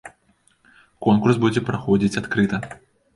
Конкурс будзе праходзіць адкрыта.